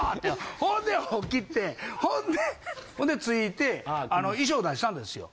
ほんで起きてほんで着いて衣装出したんですよ。